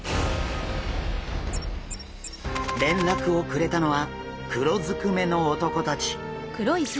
連絡をくれたのは黒ずくめの男たち。